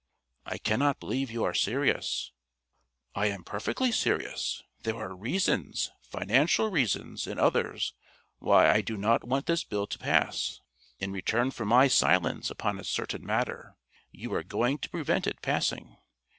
"I cannot believe you are serious." "I am perfectly serious. There are reasons, financial reasons and others, why I do not want this Bill to pass. In return for my silence upon a certain matter, you are going to prevent it passing.